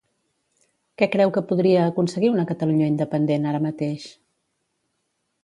Què creu que podria aconseguir una Catalunya independent ara mateix?